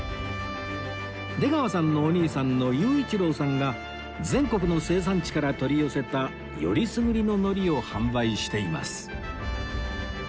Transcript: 出川さんのお兄さんの雄一郎さんが全国の生産地から取り寄せたよりすぐりの海苔を販売しています